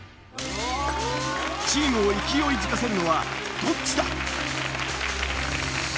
チームを勢いづかせるのはどっちだ？